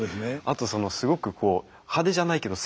あとすごくこう派手じゃないけど